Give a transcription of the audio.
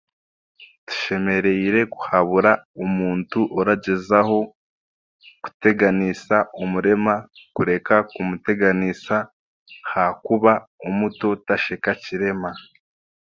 Tushemereire kuhabura omuntu oragyezaho kuteganiisa omurema kureka kumuteganiisa ahakuba omuto t'asheka kirema.